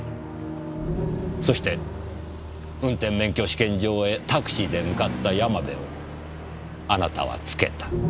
そして運転免許試験場へタクシーで向かった山部をあなたはつけた。